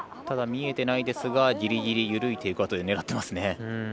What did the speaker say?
ただ、見えてないですがギリギリ緩いテイクアウトで狙ってますね。